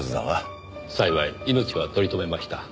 幸い命は取り留めました。